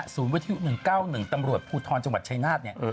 ศูนย์วิทัย๑๙๑ตำลวชพุทธรณ์จังหวัดชัยนาฏเนี่ย